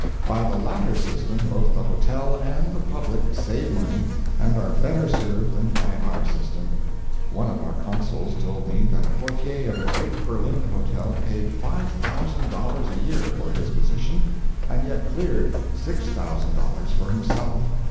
By the latter system both the hotel and the public save money and are better served than by our system. One of our consuls told me that a portier of a great Berlin hotel paid five thousand dollars a year for his position, and yet cleared six thousand dollars for himself.